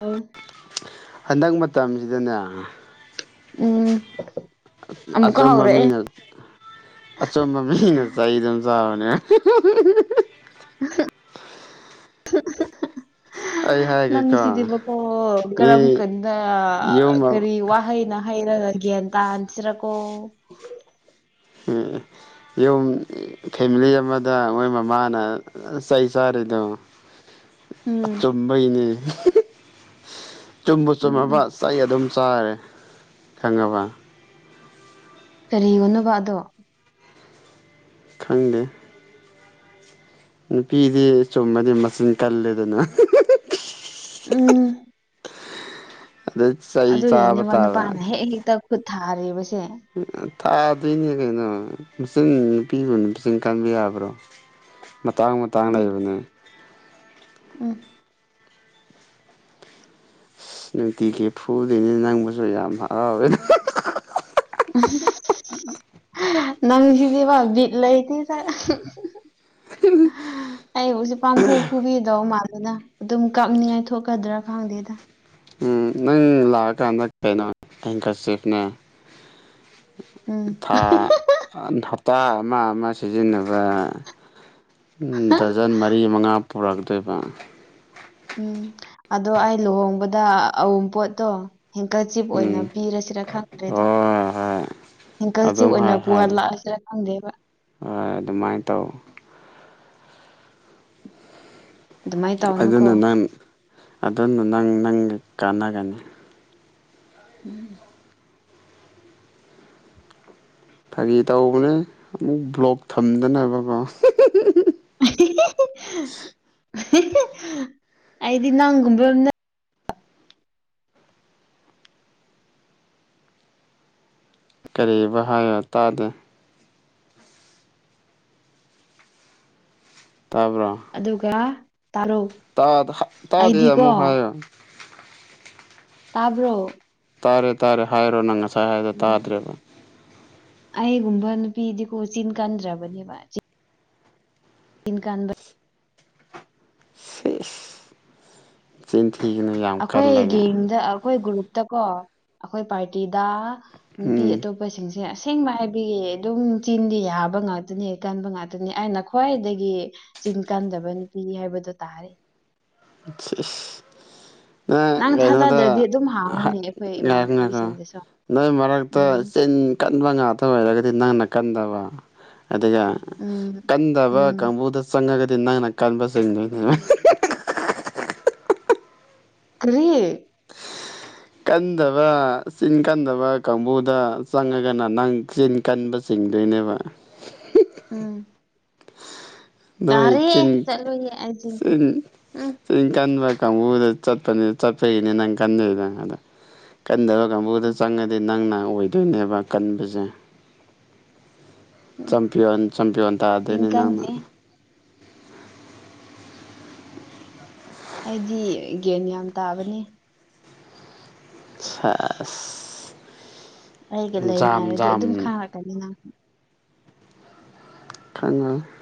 ꯑ ꯍꯟꯗꯛ ꯃꯇꯝꯁꯤꯗꯅꯦ ꯎꯝ ꯑꯃꯨꯛꯀ ꯑꯆꯨꯝꯕ ꯍꯧꯔꯛꯑꯦ ꯃꯤꯅ ꯑꯆꯝꯕ ꯃꯤꯅ ꯆꯩ ꯑꯗꯨꯝ ꯆꯥꯕꯅꯦ ꯑꯩ ꯍꯥꯏꯒꯦꯀꯣ ꯅꯪꯒꯤꯁꯤꯗꯤꯕꯀꯣ ꯃꯤ ꯀꯔꯝ ꯀꯥꯟꯗ ꯌꯨꯝ ꯀꯔꯤ ꯋꯥꯍꯩꯅ ꯍꯥꯏꯔꯒ ꯒꯌ꯭ꯥꯟ ꯇꯥꯍꯟꯁꯤꯔꯀꯣ ꯌꯨꯝ ꯐꯦꯃꯤꯂꯤ ꯑꯃꯗ ꯃꯣꯏ ꯃꯃꯥꯅ ꯆꯩ ꯆꯥꯔꯤꯗꯣ ꯎꯝ ꯆꯨꯝꯕꯩꯅꯦ ꯆꯨꯝꯕꯨ ꯎꯝ ꯎꯝ ꯆꯨꯝꯃꯕ ꯆꯩ ꯑꯗꯨꯝ ꯆꯥꯔꯦ ꯈꯪꯉꯕ ꯀꯔꯤꯌꯣꯅꯕ ꯑꯗꯣ ꯈꯪꯗꯦ ꯅꯨꯄꯤꯗꯤ ꯆꯨꯝꯃꯗꯤ ꯃꯆꯤꯟ ꯀꯜꯂꯦꯗꯅ ꯎꯝ ꯑꯗ ꯆꯩ ꯆꯥꯕ ꯑꯗꯨꯒꯤꯅꯦꯕ ꯇꯥꯕ ꯅꯨꯄꯥꯅ ꯍꯦꯛ ꯍꯦꯛꯇ ꯈꯨꯠ ꯊꯥꯔꯤꯕꯁꯦ ꯊꯥꯗꯣꯏꯅꯦ ꯀꯩꯅꯣ ꯃꯁꯤꯡꯆꯤꯟ ꯅꯨꯄꯤꯕꯨꯅ ꯃꯁꯤꯡ ꯃꯁꯤꯡ ꯀꯥꯟꯕ ꯌꯥꯕ꯭ꯔꯣ ꯃꯇꯥꯡ ꯃꯇꯥꯡ ꯎꯝ ꯂꯩꯕꯅꯤ ꯎꯝ ꯅꯨꯡꯇꯤꯒꯤ ꯐꯨꯗꯣꯅꯤ ꯅꯪꯕꯁꯨ ꯌꯥꯝ ꯍꯔꯥꯎꯋꯦ ꯎꯝ [unintelligible] ꯅꯪ ꯁꯤꯗꯤꯕ ꯕꯤꯠ ꯂꯩꯇꯦ ꯗ ꯑꯩꯕꯨꯖꯤꯛ ꯄꯥꯡꯐꯨ ꯐꯨꯕꯤꯗꯧ ꯃꯥꯜꯂꯅ ꯑꯗꯨꯝ ꯀꯛꯅꯤꯡꯉꯥꯏ ꯊꯣꯛꯀꯗ꯭ꯔꯥ ꯈꯪꯗꯦꯗ ꯎ ꯂꯥꯛꯑꯀꯥꯟꯗ ꯀꯩꯅꯣ ꯑꯦꯡꯀꯔꯆꯦꯇꯅꯦ ꯎꯝ ꯊꯥ ꯍꯞꯇꯥ ꯑꯃ ꯑꯃ ꯁꯤꯖꯤꯟꯅꯕ ꯗꯖꯟ ꯃꯔꯤ ꯃꯉꯥ ꯄꯨꯔꯛꯇꯣꯏꯕ ꯎꯝ ꯑꯗꯣ ꯑꯩ ꯂꯨꯍꯣꯡꯕꯗ ꯑꯎꯨꯝ ꯄꯣꯠꯇꯣ ꯍꯦꯟꯀꯆꯤꯞ ꯑꯣꯏꯅ ꯎꯝ ꯄꯤꯔꯁꯤꯔꯥ ꯈꯪꯗ꯭ꯔꯦꯗ ꯍꯣꯏ ꯍꯣꯏ ꯍꯤꯡꯀꯜꯁꯤ ꯑꯗꯨꯝ ꯑꯣꯏꯅ ꯍꯥꯏ ꯄꯨꯋꯥ ꯍꯥꯏꯔꯣ ꯂꯥꯛꯑꯁꯤꯔ ꯈꯪꯗꯦꯕ ꯍꯣꯏ ꯑꯗꯨꯃꯥꯏꯅ ꯇꯧ ꯑꯗꯨꯃꯥꯏꯅ ꯇꯧꯅꯨꯀꯣ ꯑꯗꯨꯅ ꯅꯪ ꯑꯗꯨꯅ ꯅꯪ ꯅꯪꯒ ꯀꯥꯟꯅꯒꯅꯤ ꯎꯝ ꯐꯒꯤ ꯇꯧꯕꯅꯦ ꯑꯃꯨꯛ ꯕ꯭ꯂꯣꯛ ꯊꯝꯗꯅꯕꯀꯣ ꯑꯩꯗꯤ ꯅꯪꯒꯨꯝꯕꯝꯅ ꯀꯔꯤ ꯕ ꯍꯥꯏꯕ ꯇꯥꯗꯦ ꯇꯥꯕ꯭ꯔ ꯑꯗꯨꯒ ꯇꯥꯔꯨ ꯇꯥ ꯇꯥꯗꯦ ꯑꯃꯨꯛ ꯍꯥꯏꯌꯣ ꯇꯥꯕ꯭ꯔꯣ ꯇꯥꯔꯦ ꯇꯥꯔꯦ ꯍꯥꯏꯔꯣ ꯅꯪ ꯉꯁꯥꯏ ꯍꯥꯏꯗ ꯎꯝ ꯇꯥꯗ꯭ꯔꯦꯕ ꯑꯩꯒꯨꯝꯕ ꯅꯨꯄꯤꯗꯤꯀꯣ ꯆꯤꯜ ꯀꯟꯗ꯭ꯔꯕꯅꯦꯕ ꯇꯤꯟ ꯀꯥꯟꯥꯟꯕ ꯆ ꯊꯤꯒꯅꯨ ꯌꯥ ꯑꯩꯈꯣꯏ ꯒꯦꯡꯗ ꯑꯩꯈꯣꯏ ꯒ꯭ꯔꯨꯞꯇꯀꯣ ꯑꯩꯈꯣꯏ ꯄꯥꯔꯇꯤꯗ ꯅꯨꯄꯤ ꯎꯝ ꯑꯇꯣꯞ ꯑꯩꯈꯣꯏꯁꯤꯡꯁꯦ ꯑꯁꯦꯡꯕ ꯍꯥꯏꯕꯤꯒꯤ ꯑꯗꯨꯝ ꯆꯤꯟꯗꯤ ꯌꯥꯕ ꯉꯥꯛꯇꯅꯤ ꯀꯟꯕ ꯉꯥꯛꯇꯅꯤ ꯑꯩꯅ ꯈ꯭ꯋꯥꯏꯗꯒꯤ ꯆꯤꯟ ꯀꯥꯟꯗꯕ ꯅꯨꯄꯤ ꯍꯥꯏꯕꯗꯣ ꯇꯥꯔꯦ ꯏꯁ ꯏꯁ ꯅꯪ ꯊꯥ ꯇꯥꯗ꯭ꯔꯗꯤ ꯑꯗꯨꯝ ꯍꯥꯡꯉꯅꯤ ꯑꯩꯈꯣꯏ ꯉꯥꯏꯈꯣ ꯉꯥꯏꯈꯣ ꯏꯃꯥꯟꯅꯕꯤꯁꯤꯡꯗꯨꯁꯨ ꯅꯣꯏ ꯃꯔꯛꯇ ꯆꯤꯟ ꯀꯟꯕ ꯉꯥꯛꯇ ꯑꯣꯏꯔꯒꯗꯤ ꯅꯪꯅ ꯀꯟꯗꯕ ꯑꯗꯨꯒ ꯎꯝ ꯀꯟꯗꯕ ꯎꯝ ꯀꯥꯡꯕꯨꯗ ꯆꯪꯉꯒꯗꯤ ꯅꯪꯅ ꯀꯥꯟꯕ ꯆꯗꯣꯏꯅꯦ ꯀ꯭ꯔꯤ ꯀꯟꯗꯕ ꯆꯤꯟ ꯀꯟꯗꯕ ꯀꯥꯡꯕꯨꯗ ꯆꯪꯉꯒꯅ ꯅꯪ ꯆꯤꯟ ꯀꯟꯕ ꯆꯤꯡꯗꯣꯏꯅꯕ ꯎꯝ ꯅꯣꯏ ꯌꯥꯔꯦ ꯆꯤꯡ ꯆꯠꯂꯣꯏꯌꯦ ꯑꯩꯗꯤ ꯆ ꯎꯝ ꯆꯤꯜ ꯀꯟꯕ ꯀꯥꯡꯕꯨꯗ ꯆꯠꯄꯅꯤ ꯆꯠꯄꯒꯤꯅꯤꯅꯦ ꯅꯪ ꯀꯗꯗꯪ ꯑꯗ ꯀꯟꯕ ꯀꯥꯡꯕꯨꯗ ꯎꯝ ꯆꯪꯉꯗꯤ ꯅꯪꯅ ꯑꯣꯏꯗꯣꯏꯅꯦꯕ ꯀꯟꯕꯁꯦ ꯎꯝ ꯆꯝꯄꯤꯌꯟ ꯆꯝꯄꯤꯌꯣꯟ ꯆꯤꯟ ꯇꯥꯗꯣꯏꯅꯤ ꯅꯪꯅ ꯀꯟꯗꯦ ꯑꯩꯗꯤ ꯒꯦꯟ ꯌꯥꯝ ꯇꯥꯕꯅꯤ ꯁꯥꯁ ꯑꯩꯒ ꯂꯩꯃꯤꯅꯔꯗꯤ ꯑꯗꯨꯝ ꯈꯥꯡꯉꯛꯀꯅꯤ ꯅꯪ [inaudible]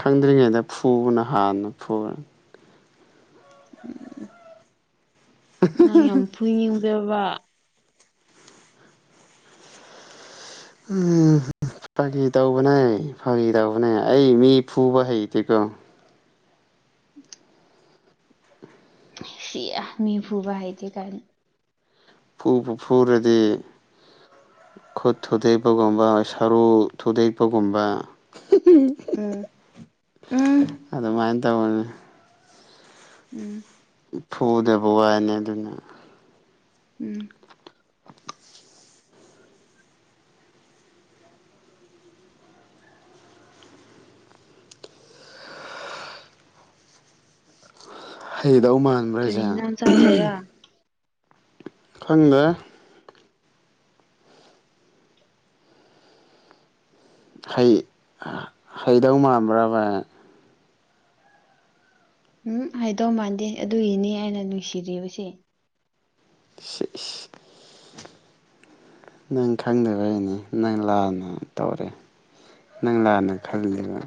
ꯈꯪꯗ꯭ꯔꯤꯉꯩꯗ ꯐꯨꯕꯅ ꯍꯥꯟꯅ ꯐꯨꯔ ꯎꯝ ꯅꯪ ꯌꯥꯝ ꯐꯨꯏꯅꯤꯡꯗꯕ ꯎꯝ ꯐꯥꯒꯤ ꯇꯧꯕꯅꯦ ꯐꯥꯒꯤ ꯇꯧꯕꯅꯦ ꯑꯩ ꯃꯤ ꯐꯨꯕ ꯍꯩꯇꯦꯀꯣ [inaudible] ꯁꯤ ꯃꯤ ꯐꯨꯕ ꯍꯩꯇꯦ ꯀꯥꯏꯅ ꯐꯨꯕꯨ ꯐꯨꯔꯗꯤ ꯈꯨꯠ ꯊꯨꯗꯦꯛꯄꯒꯨꯝꯕ ꯁꯔꯨ ꯊꯨꯗꯦꯛꯄꯒꯨꯝꯕ ꯎꯝ ꯎꯝ ꯑꯗꯨꯃꯥꯏꯅ ꯇꯧꯕꯅꯤ ꯎꯝ ꯐꯨꯗꯕ ꯋꯥꯅꯤ ꯑꯗꯨꯅ ꯎꯝ ꯍꯩꯗꯧ ꯃꯥꯟꯕ꯭ꯔ ꯀꯔꯤ ꯍꯥꯏꯁꯦ ꯏꯟꯖꯥꯡ ꯆꯥꯗꯣꯏꯔꯥ ꯈꯪꯗ꯭ꯔꯦ ꯍ ꯍꯩꯗꯧ ꯃꯥꯟꯕ꯭ꯔꯕ ꯎꯝ ꯍꯥꯏꯗꯧ ꯃꯥꯟꯗꯦ ꯑꯗꯨꯒꯤꯅꯤ ꯑꯩꯅ ꯅꯨꯡꯁꯤꯔꯤꯕꯁꯦ ꯁꯤ [unintelligible] ꯅꯪ ꯈꯪꯗꯕꯩꯅꯤ ꯅꯪ ꯂꯥꯟꯅ ꯇꯧꯔꯦ ꯅꯪꯂ ꯂꯥꯅ ꯈꯂꯤꯕ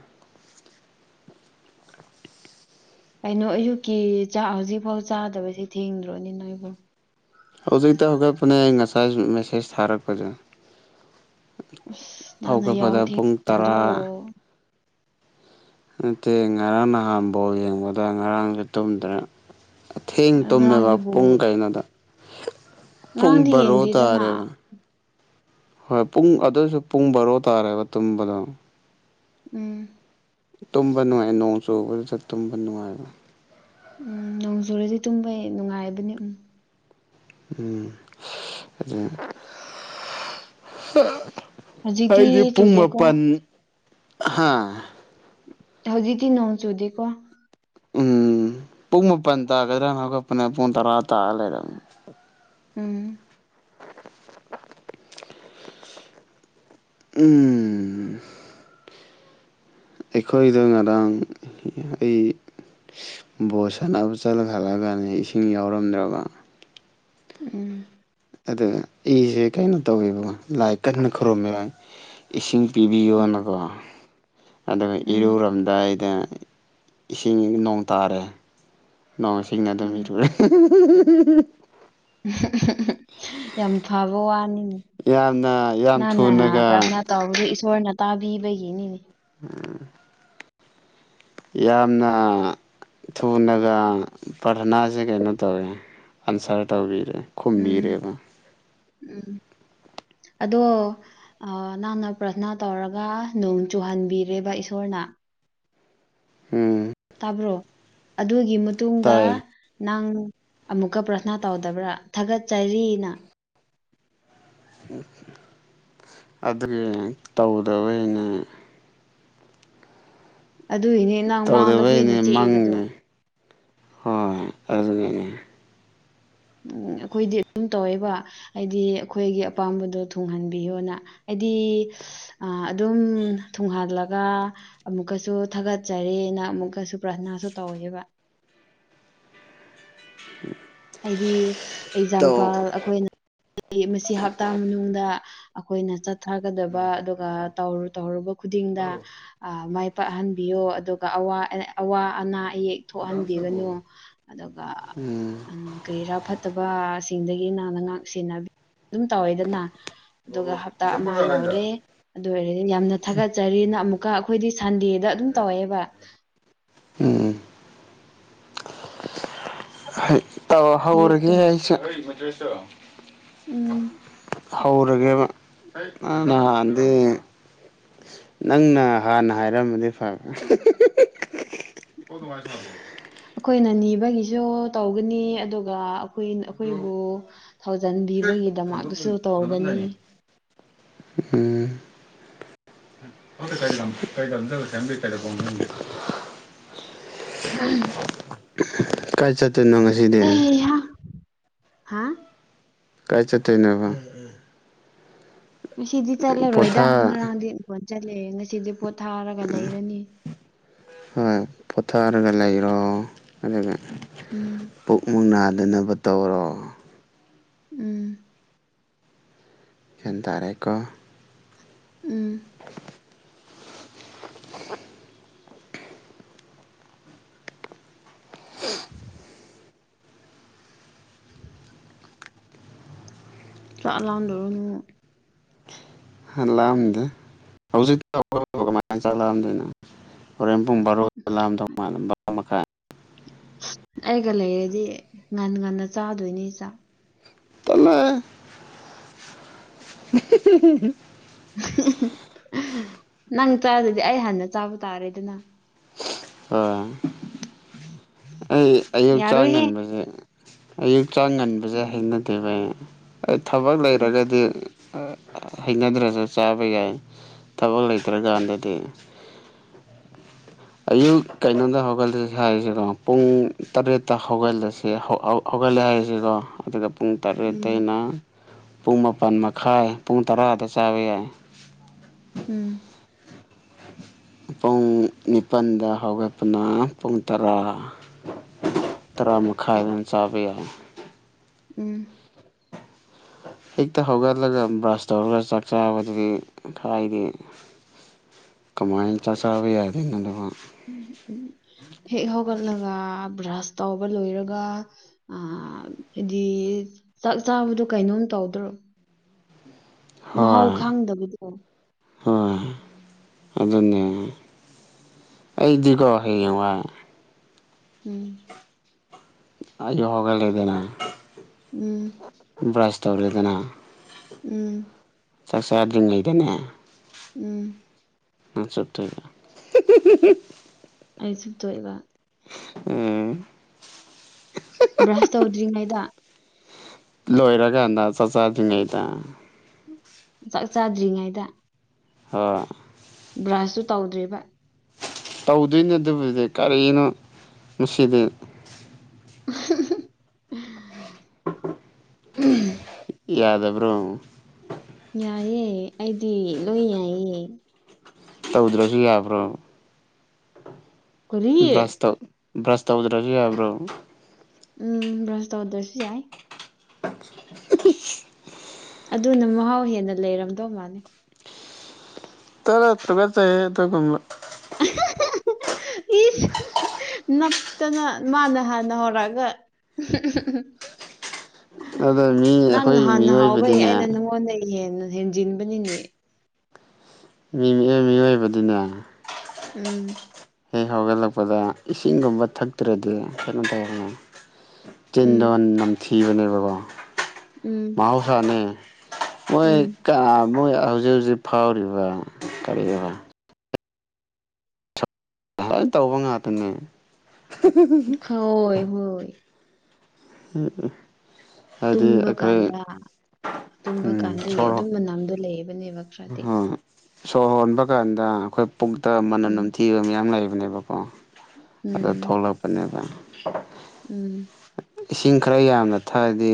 ꯀꯩꯅꯣ ꯑꯌꯨꯛꯀꯤ ꯆꯥꯛ ꯍꯧꯖꯤꯛꯐꯥꯎ ꯆꯥꯗꯕꯁꯤ ꯊꯦꯡꯗ꯭ꯔꯣꯅꯤ ꯅꯣꯏꯕꯣ ꯍꯧꯖꯤꯛꯇ ꯍꯧꯒꯠꯄꯅꯦ ꯑꯩ ꯉꯁꯥꯏ ꯃꯦꯁꯦꯁ ꯊꯥꯔꯛꯄꯁꯦ ꯑꯁ ꯅꯪꯅ ꯌꯥꯍꯧ ꯍꯧꯒꯠꯄꯗ ꯄꯨꯡ ꯇꯔꯥ ꯊꯦꯡꯗꯣ ꯅꯠꯇꯦ ꯉꯔꯥꯡ ꯅꯍꯝꯕꯣꯜ ꯌꯦꯡꯕꯗ ꯉꯔꯥꯡꯁꯨ ꯇꯨꯝꯗ꯭ꯔꯦ ꯑꯊꯦꯡ ꯇꯨꯝꯃꯦꯕ ꯉꯔꯥꯡꯗꯤ ꯕꯣꯜ ꯄꯨꯡ ꯀꯩꯅꯣꯗ ꯄꯨꯡ ꯉꯔꯥꯡꯗꯤ ꯕꯔꯣ ꯌꯦꯡꯗꯦꯗꯅ ꯇꯥꯔꯦꯕ ꯍꯣꯏ ꯄꯨꯡ ꯑꯗꯨꯁꯨ ꯄꯨꯡ ꯕꯥꯔꯣ ꯇꯥꯔꯦꯕ ꯇꯨꯝꯕꯗꯣ ꯎꯝ ꯇꯨꯝꯕ ꯅꯨꯡꯉꯥꯏ ꯅꯣꯡ ꯆꯨꯕꯗꯨꯁꯨ ꯇꯨꯝꯕ ꯅꯨꯡꯉꯥꯏꯔ ꯎꯝ ꯅꯣꯡꯖꯨꯔꯗꯤ ꯇꯨꯝꯕ ꯅꯨꯡꯉꯥꯏꯕꯅꯤ ꯎꯝ꯫ ꯎꯝ [unintelligible] ꯍꯧꯖꯤꯛꯇꯤ ꯑꯩꯗꯤ ꯄꯨꯡ ꯆꯨꯗꯦꯀꯣ ꯃꯥꯄꯟ ꯍꯥ ꯍꯧꯖꯤꯛꯇꯤ ꯅꯣꯡ ꯆꯨꯗꯦꯀꯣ꯫ ꯎꯝ ꯄꯨꯡ ꯃꯥꯄꯜ ꯇꯥꯒꯗ꯭ꯔꯥꯅ ꯍꯧꯒꯠꯄꯅꯦ ꯄꯨꯡ ꯇꯔꯥ ꯇꯥꯔ ꯂꯩꯔꯝꯃꯦ꯫ ꯎꯝ ꯎꯝ ꯑꯩꯈꯣꯏꯗ ꯉꯔꯥꯡ ꯑꯩ ꯕꯣꯠ ꯁꯥꯟꯅꯕ ꯆꯠꯂ ꯈꯠꯂꯒꯅꯦ ꯏꯁꯤꯡ ꯌꯥꯎꯔꯝꯗ꯭ꯔꯕ ꯎꯝ ꯏꯁꯦ ꯀꯩꯅꯣ ꯇꯧꯋꯦꯕꯀꯣ ꯂꯥꯏ ꯀꯟꯅ ꯈꯨꯔꯨꯝꯃꯦꯕ ꯏꯁꯤꯡ ꯎꯝ ꯄꯤꯕꯤꯌꯣꯅꯀꯣ ꯑꯗꯨꯒ ꯎꯝ ꯏꯔꯨꯔꯝ ꯗꯥꯏꯗ ꯏꯁꯤꯡ ꯅꯣꯡ ꯇꯥꯔꯦ ꯅꯣꯡꯁꯤꯡꯅ ꯑꯗꯨꯝ ꯎꯝ ꯏꯔꯨꯔꯦ [unintelligible] ꯌꯥꯝ ꯐꯕ ꯋꯥꯅꯤꯅꯦ ꯌꯥꯝꯅ ꯌꯥꯝ ꯊꯨꯅꯒ ꯅꯥꯅꯕꯔ꯫ ꯇꯧꯕꯗꯤ ꯏꯁꯣꯔꯅ ꯇꯥꯕꯤꯕꯒꯤꯅꯤꯅꯦ꯫ ꯎꯝ ꯌꯥꯝꯅ ꯊꯨꯅꯒ꯫ ꯄꯥꯔꯊꯅꯥꯁꯦ ꯀꯩꯅꯣ ꯇꯧꯋꯦ ꯑꯟꯁꯔ ꯇꯧꯕꯤꯔꯦ꯫ ꯎꯝ ꯈꯨꯝꯕꯤꯔꯦꯕ ꯎꯝ ꯑꯗꯣ ꯑ ꯅꯪꯅ ꯄ꯭ꯔꯊꯅꯥ ꯇꯧꯔꯒ ꯅꯣꯡ ꯆꯨꯍꯟꯕꯤꯔꯦꯕ ꯏꯁꯣꯔꯅ ꯎꯝ ꯇꯥꯕ꯭ꯔꯣ ꯑꯗꯨꯒꯤ ꯃꯇꯨꯡꯗ꯫ ꯇꯥꯏ ꯅꯪ ꯑꯃꯨꯛꯀ ꯄ꯭ꯔꯊꯅꯥ ꯇꯧꯗꯕ꯭ꯔꯥ ꯊꯥꯒꯠꯆꯔꯤꯅ꯫ ꯑꯗꯨꯒꯤ ꯇꯧꯗꯕꯩꯅꯦ ꯑꯗꯨꯏꯅꯦ ꯇꯧꯗꯕꯩꯅꯦ ꯃꯪꯉꯦ ꯍꯣꯏ ꯑꯗꯨꯒꯤꯅꯦ ꯎꯝ ꯑꯩꯈꯣꯏꯗꯤ ꯑꯗꯨꯝ ꯇꯧꯋꯦꯕ ꯍꯥꯏꯗꯤ ꯑꯩꯈꯣꯏꯒꯤ ꯑꯄꯥꯝꯕꯗꯣ ꯊꯨꯡꯍꯟꯕꯤꯌꯣꯅ ꯍꯥꯏꯗꯤ ꯑ ꯑꯗꯨꯝ ꯊꯨꯡꯍꯜꯂꯒ ꯑꯃꯨꯛꯀꯁꯨ ꯊꯥꯒꯠꯆꯔꯦꯅ ꯑꯃꯨꯛꯀꯁꯨ ꯄ꯭ꯔꯥꯊꯅꯥꯁꯨ ꯇꯧꯋꯦꯕ [unintelligible] ꯍꯥꯏꯗꯤ ꯇꯧ ꯑꯦꯛꯖꯥꯝꯄꯜ ꯑꯩꯈꯣꯏꯅ ꯃꯁꯤ ꯍꯞꯇꯥ ꯃꯅꯨꯡꯗ ꯑꯩꯈꯣꯏꯅ ꯆꯠꯊꯒꯗꯕ ꯑꯗꯨ ꯒ ꯇꯧꯔꯨ ꯇꯧꯔꯨꯕ ꯈꯨꯗꯤꯡꯗ꯫ ꯑ ꯃꯥꯏ ꯄꯥꯛꯍꯟꯕꯤꯌꯣ ꯑꯗꯨꯒ ꯑꯋꯥ ꯑꯦ ꯑꯋꯥ ꯑꯅꯥ ꯑꯌꯦꯛ ꯊꯣꯛꯍꯟꯕꯤꯒꯅꯨ ꯑꯗꯨꯒ꯫ ꯎꯝ ꯎꯝ, ꯀꯔꯤꯔꯥ ꯐꯠꯇꯕꯁꯤꯡꯗꯒꯤ ꯅꯪꯅ ꯉꯥꯛ ꯁꯦꯟꯅꯕꯤ ꯑꯗꯨꯝ ꯇꯧꯋꯦꯗꯅ꯫ ꯑꯗꯨꯒ ꯍꯞꯇꯥ ꯑꯃ ꯌꯥꯎꯔꯦ꯫ ꯑꯗꯨ ꯑꯣꯏꯔꯗꯤ ꯌꯥꯝꯅ ꯊꯥꯒꯠꯆꯔꯤꯅ ꯑꯃꯨꯛꯀ ꯑꯩꯈꯣꯏꯗꯤ ꯁꯟꯗꯦꯗ ꯑꯗꯨꯝ ꯇꯧꯋꯦꯕ꯫ ꯎꯎꯝ ꯇꯧ ꯑꯌꯨꯛꯇꯣ ꯍꯧꯔꯒꯦ ꯑꯩꯁꯨ ꯎꯝ ꯍꯧꯔꯒꯦꯕ ꯅꯍꯥꯟꯗꯤ ꯅꯪꯅ ꯍꯥꯟꯅ ꯍꯥꯏꯔꯃꯗꯤ ꯐꯕ [unintelligible] [unintelligible] ꯑꯩꯈꯣꯏꯅ ꯅꯤꯕꯒꯤꯁꯨ ꯇꯧꯒꯅꯤ ꯑꯗꯨꯒ ꯑꯩꯈꯣꯏ ꯑꯩꯈꯣꯏꯕꯨ ꯊꯧꯖꯥꯟꯕꯤꯕꯒꯤꯗꯃꯛꯇꯁꯨ ꯇꯧꯒꯅꯤ ꯎꯝ ꯂꯝ ꯀ ꯆꯝꯕ ꯀꯔꯉ [unintelligible] [unintelligible] ꯀꯥꯏ ꯆꯠꯇꯣꯏꯅꯣ ꯉ ꯑꯩ ꯍꯥ ꯍꯥ ꯀꯥꯏ ꯆꯠꯇꯣꯏꯅꯦꯕ ꯉꯁꯤꯗꯤ ꯆꯠꯂꯔꯣꯏꯗ ꯄꯣꯊꯥ ꯉꯔꯥꯡꯗꯤ [inaudible] ꯆꯠꯂꯦ ꯉꯁꯤꯗꯤ ꯄꯣꯠꯊꯥꯔꯒ ꯂꯩꯔꯅꯤ ꯍꯣꯏ ꯄꯣꯊꯔꯒ ꯂꯩꯔꯣ ꯑꯗꯨꯒ ꯎꯝ ꯄꯨꯛ ꯃꯨꯛ ꯅꯥꯗꯅꯕ ꯇꯧꯔꯣ ꯎꯝ꯫ ꯌꯥꯟ ꯇꯥꯔꯦꯀꯣ꯫ ꯎꯝ꯫ [inaudible] ꯆꯥꯛ ꯂꯥꯝꯗ꯭ꯔꯣꯅꯨ꯫ ꯍ ꯂꯥꯝꯗꯦ ꯍꯧꯖꯤꯛꯇ [inaudible] ꯀꯃꯥꯏ ꯆꯥꯛ ꯂꯥꯝꯗꯣꯏꯅꯣ꯫ ꯍꯣꯔꯦꯟ ꯄꯨꯡ ꯕꯥꯔꯣꯗ ꯂꯥꯝꯗꯧ ꯃꯥꯂꯦ ꯕꯥꯔꯣ ꯃꯈꯥꯏ꯫ ꯑꯩꯒ ꯂꯩꯔꯗꯤ ꯉꯟ ꯉꯟꯅ ꯆꯥꯗꯣꯏꯅꯤ ꯆꯥꯛ꯫ [unintelligible] [unintelligible] [unintelligible] ꯅꯪ ꯆꯥꯗꯗꯤ ꯑꯩ ꯍꯥꯟꯅ ꯆꯥꯕ ꯇꯥꯔꯦꯗꯅ ꯑꯥ [inaudible] ꯑꯩ ꯑꯌꯨꯛ ꯆꯥꯡ ꯌꯥꯔꯣꯏꯍꯦ ꯉꯟꯕꯁꯦ ꯑꯌꯨꯛ ꯆꯥꯡ ꯉꯟꯕꯁꯦ ꯍꯩꯅꯗꯦꯕ ꯑꯩ ꯑꯩ ꯊꯕꯛ ꯎꯝ ꯂꯩꯔꯒꯗꯤ ꯑ ꯑ ꯍꯩꯅꯗ꯭ꯔꯁꯨ ꯆꯥꯕ ꯌꯥꯏ ꯊꯕꯛ ꯂꯩꯇ꯭ꯔꯀꯥꯟꯗꯗꯤ ꯑꯌꯨꯛ ꯀꯩꯅꯣꯗ ꯍꯧꯒꯠꯂꯁꯤ ꯍꯥꯏꯔꯤꯁꯤꯀꯣ ꯄꯨꯡ ꯇꯔꯦꯠꯇ ꯍꯧꯒꯂꯁꯦ ꯍꯧ ꯍꯧ ꯍꯧꯒꯠꯂꯦ ꯍꯥꯏꯔꯤꯁꯤꯀꯣ ꯑꯗꯨꯒ ꯄꯨꯡ ꯎꯝ ꯇꯔꯦꯇꯩꯩꯅ ꯄꯨꯡ ꯃꯥꯄꯜ ꯃꯈꯥꯏ ꯄꯨꯡ ꯇꯔꯥꯗ ꯆꯥꯕ ꯌꯥꯏ ꯎꯝ ꯄꯨꯡ ꯅꯤꯄꯜꯗ ꯍꯧꯒꯠꯄꯅ ꯄꯨꯡ ꯇꯔꯥ ꯇꯔꯥ ꯃꯈꯥꯏ ꯑꯗꯨꯃꯥꯏ ꯆꯥꯕ ꯌꯥꯏ ꯎꯝ ꯍꯦꯛꯇ ꯍꯧꯒꯠꯂꯒ ꯕ꯭ꯔꯁ ꯇꯧꯔꯒ ꯆꯥꯛ ꯆꯥꯕꯗꯨꯗꯤ ꯈꯔꯗꯤ ꯀꯃꯥꯏꯟ ꯆꯥꯛ ꯆꯥꯕ ꯌꯥꯗꯣꯏꯅꯣꯗꯨꯕꯣ ꯎ ꯎ ꯍꯦꯛ ꯍꯧꯒꯠꯂꯒ ꯕ꯭ꯔꯥꯁ ꯇꯧꯕ ꯂꯣꯏꯔꯒ ꯑꯥ ꯗꯤ ꯆꯥꯛ ꯆꯥꯕꯗꯣ ꯀꯩꯅꯣꯝ ꯇꯧꯗ꯭ꯔꯣ ꯃꯍꯥꯎ ꯍꯣꯏ ꯈꯥꯡꯗꯕꯤꯗꯣ ꯍꯣꯏ ꯑꯗꯨꯗꯟꯅ ꯑꯩꯗꯤꯀꯣ ꯍꯌꯦꯡꯋꯥꯏ ꯎꯝ ꯑꯩꯣꯍꯒꯂꯦꯗꯅ ꯎꯝ ꯕ꯭ꯔꯁ ꯇꯧꯔꯦꯗꯅ ꯎꯝ ꯆꯥꯛ ꯆꯥꯗ꯭ꯔꯤꯉꯩꯗꯅꯦ ꯎꯝ ꯅꯪ ꯆꯠꯇꯣꯏꯔꯥ [unintelligible] ꯑꯩꯁꯨꯇꯣꯏꯕ ꯎꯝ ꯕ꯭ꯔꯁ ꯇꯧꯗ꯭ꯔꯤ ꯉꯥꯏꯗ ꯂꯣꯣꯏꯔ ꯀꯥꯟꯗꯅꯥ ꯆꯣꯆꯥ ꯊꯤꯡꯉꯩꯇꯥ ꯆꯥꯛ ꯆꯥꯗ꯭ꯔꯤꯉꯩꯗ ꯍꯥ ꯕ꯭ꯔꯁꯇꯨ ꯇꯧꯗ꯭ꯔꯤꯕ ꯇꯧꯗꯣꯏꯅꯦ ꯑꯗꯨꯕꯨꯗꯤ ꯀꯔꯤꯅꯣ ꯃꯁꯤꯗꯤ [unintelligible] ꯎꯝ ꯌꯥꯗꯕ꯭ꯔꯣ ꯌꯥꯏꯑꯦ ꯑꯩꯗꯤ ꯂꯣꯏ ꯌꯥꯏꯌꯦ ꯇꯧꯗ꯭ꯔꯁꯨ ꯌꯥꯕ꯭ꯔꯣ ꯀꯔꯤ ꯕ꯭ꯔꯥꯁ ꯇꯧ ꯕ꯭ꯔꯥꯁ ꯇꯧꯗ꯭ꯔꯁꯨ ꯌꯥꯕ꯭ꯔꯣ ꯎꯝ ꯭ꯔꯁ ꯇꯧꯗꯣꯏꯁꯨ ꯌꯥꯏ ꯑꯗꯨꯅ ꯃꯍꯥꯎ ꯍꯦꯟꯅ ꯂꯩꯔꯝꯗꯧ ꯃꯥꯅꯤ ꯇꯠꯇꯒꯁꯦ [unintelligible] ꯏꯁ [unintelligible] ꯅꯞꯇꯅ ꯃꯥꯅ ꯍꯥꯟꯅ ꯍꯧꯔꯛꯑꯒ ꯑꯗ ꯃꯤ ꯅꯪ ꯑꯩꯈꯣꯏ ꯅꯍꯥꯟꯅ ꯍꯥꯎꯕꯩ ꯃꯤꯑꯣꯏꯕꯗꯤꯅꯦ ꯑꯩꯅ ꯅꯪꯉꯣꯟꯗ ꯍꯦꯟꯖꯤꯟꯕꯅꯤꯅꯦ ꯃꯤꯑ ꯃꯤꯑꯣꯏꯕꯗꯨꯅꯦ ꯎꯝ ꯍꯦꯛ ꯍꯧꯒꯠꯂꯛꯄꯗ ꯏꯁꯤꯡꯒꯨꯝꯕ ꯊꯛꯇ꯭ꯔꯗꯤ ꯀꯩꯅꯣ ꯇꯧꯔꯅꯤ ꯎꯝ ꯇꯤꯟꯗꯣꯟ ꯅꯝꯊꯤꯕꯅꯦꯕꯀꯣ ꯎꯝ ꯃꯍꯧꯁꯥꯅꯦ ꯃꯣꯏ ꯎꯝ ꯀ ꯃꯣꯏ ꯍꯧꯖꯤꯛ ꯍꯧꯖꯤꯛ ꯐꯥꯎꯔꯤꯕ ꯀꯔꯤ ꯣꯏ ꯇꯧꯕ ꯉꯥꯛꯇꯅꯦ ꯍꯣꯏ ꯍꯣꯏ ꯍ ꯇꯨꯝꯕ ꯀꯥꯟꯗ ꯇꯨꯝꯕ ꯀꯥꯟꯗ ꯑꯗꯨꯝ ꯃꯅꯝꯗꯣ ꯂꯩꯕꯅꯦꯕ ꯈꯔꯗꯤ ꯍ ꯁꯣꯔ ꯍꯣꯟꯕ ꯀꯥꯟꯗ ꯑꯩꯈꯣꯏ ꯄꯨꯛꯇ ꯃꯅꯝ ꯎꯝ ꯅꯝꯊꯤꯕ ꯃꯌꯥꯝ ꯂꯩꯕꯅꯦꯕꯣ ꯀ ꯑꯗꯨ ꯎꯝ ꯊꯣꯛꯂꯛꯄꯅꯦꯕ ꯎꯝ ꯏꯁꯤꯡ ꯈꯔ ꯌꯥꯝꯅ ꯊꯥꯗꯤ